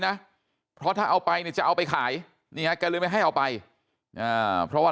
นะเพราะถ้าเอาไปเนี่ยจะเอาไปขายนี่ฮะแกเลยไม่ให้เอาไปเพราะว่า